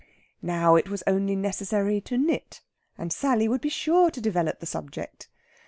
Now it was only necessary to knit, and Sally would be sure to develop the subject.